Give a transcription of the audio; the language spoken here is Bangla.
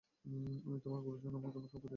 আমি তোমার গুরুজন, তোমাকে উপদেশ দিচ্ছি, বিয়ে করো।